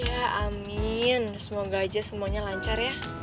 ya amin semoga aja semuanya lancar ya